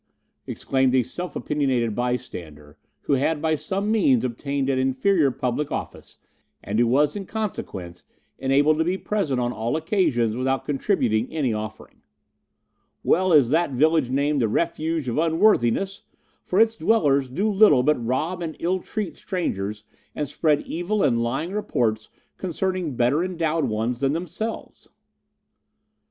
exclaimed a self opinionated bystander, who had by some means obtained an inferior public office, and who was, in consequence, enabled to be present on all occasions without contributing any offering. "Well is that village named 'The Refuge of Unworthiness,' for its dwellers do little but rob and illtreat strangers, and spread evil and lying reports concerning better endowed ones than themselves."